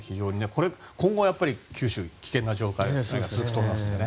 今後、九州は危険な状態が続くと思いますのでね。